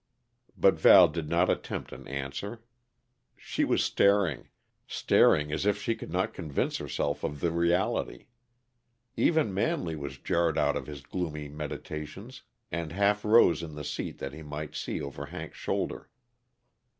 But Val did not attempt an answer. She was staring staring as if she could not convince herself of the reality. Even Manley was jarred out of his gloomy meditations, and half rose in the seat that he might see over Hank's shoulder.